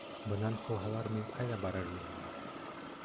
Бынан ҡыуһалар, мин ҡайҙа барырмын?